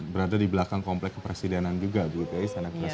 berada di belakang komplek kepresidenan juga bu iryana